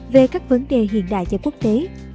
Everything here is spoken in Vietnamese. về các vấn đề hiện đại và quốc tế